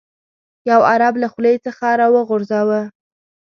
یو عرب له خولې څخه راوغورځاوه.